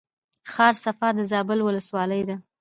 ښار صفا د زابل ولسوالۍ ده